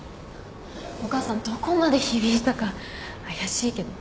お母さんどこまで響いたか怪しいけど。